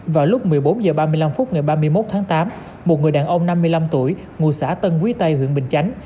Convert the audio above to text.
vào lúc một mươi bốn h ba mươi năm phút ngày ba mươi một tháng tám một người đàn ông năm mươi năm tuổi ngụ xã tân quý tây huyện bình chánh